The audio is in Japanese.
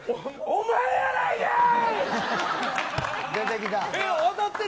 おまえやないかい。